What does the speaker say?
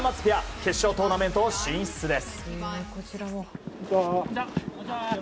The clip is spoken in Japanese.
決勝トーナメント進出です。